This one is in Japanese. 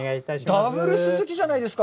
ダブル鈴木じゃないですか。